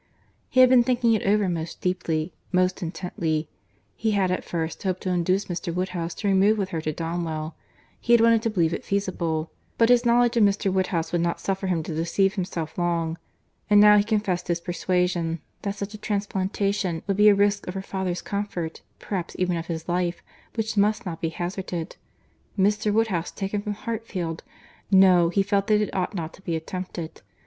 He had been thinking it over most deeply, most intently; he had at first hoped to induce Mr. Woodhouse to remove with her to Donwell; he had wanted to believe it feasible, but his knowledge of Mr. Woodhouse would not suffer him to deceive himself long; and now he confessed his persuasion, that such a transplantation would be a risk of her father's comfort, perhaps even of his life, which must not be hazarded. Mr. Woodhouse taken from Hartfield!—No, he felt that it ought not to be attempted.